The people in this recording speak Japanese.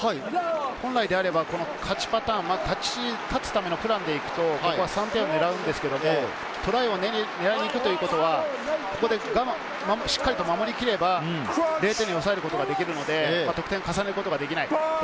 本来であれば勝ちパターン、勝つためのプランで行くと、３点を狙うんですけれど、トライを狙いに行くということは、しっかり守りきれば０点に抑えることができるので、得点を重ねることが出来ない。